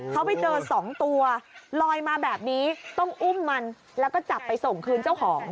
เขาไปเจอสองตัวลอยมาแบบนี้ต้องอุ้มมันแล้วก็จับไปส่งคืนเจ้าของ